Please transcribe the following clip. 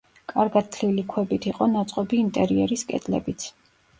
კარგად თლილი ქვებით იყო ნაწყობი ინტერიერის კედლებიც.